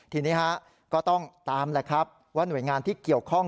ทีนี้ก็ต้องตามว่าหน่วยงานที่เกี่ยวข้อง